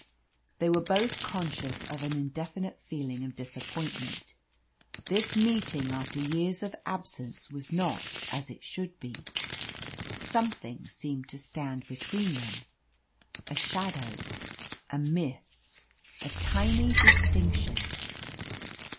They were both conscious of an indefinite feeling of disappointment. This meeting after years of absence was not as it should be. Something seemed to stand between them a shadow, a myth, a tiny distinction.